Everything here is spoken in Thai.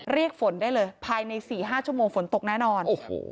ฝนได้เลยภายใน๔๕ชั่วโมงฝนตกแน่นอน